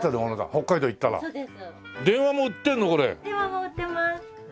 電話も売ってます。